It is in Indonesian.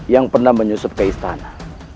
yang pernah menyusut ke istana